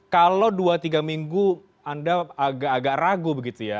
kalau dua tiga minggu anda agak ragu begitu ya